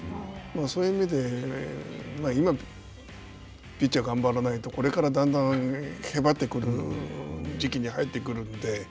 そういう意味で、今、ピッチャー頑張らないとこれからだんだんへばってくる時期に入ってくるんで。